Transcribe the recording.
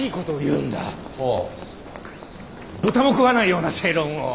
豚も食わないような正論を。